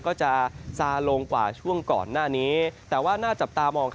ก็จะซาลงกว่าช่วงก่อนหน้านี้แต่ว่าน่าจับตามอง